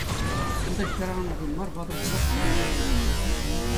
Унта хӗрарӑмсем мар, ватӑ хусах пурӑнать тейӗн.